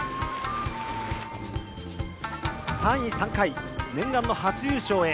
３位３回、念願の初優勝へ。